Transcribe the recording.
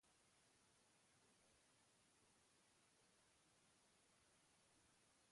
Mundu akademikoan ibilbide luzea egin du.